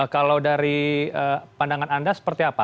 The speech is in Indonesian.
kalau dari pandangan anda seperti apa